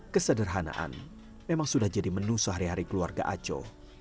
kesederhanaan memang sudah jadi menu sehari hari keluarga aco